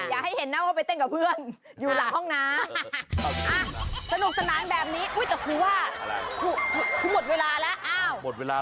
อย่าให้เห็นนะว่าไปเต้นกับเพื่อนอยู่หลังห้องน้ำ